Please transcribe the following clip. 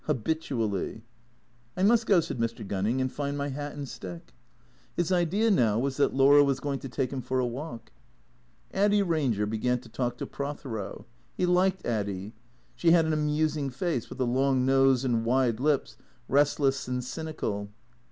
Ha bitually." " I must go," said Mr. Gunning, " and find my hat and stick." His idea now was that Laura was going to take him for a walk. Addy Ranger began to talk to Prothero. He liked Addy. She had an amusing face with a long nose and wide lips, rest less and cynical.